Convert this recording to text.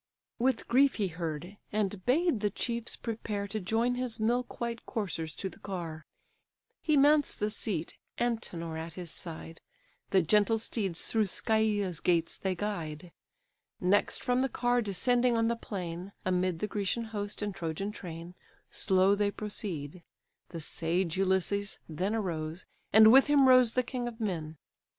With grief he heard, and bade the chiefs prepare To join his milk white coursers to the car; He mounts the seat, Antenor at his side; The gentle steeds through Scæa's gates they guide: Next from the car descending on the plain, Amid the Grecian host and Trojan train, Slow they proceed: the sage Ulysses then Arose, and with him rose the king of men.